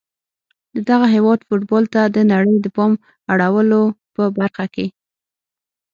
د دغه هیواد فوټبال ته د نړۍ د پام اړولو په برخه کي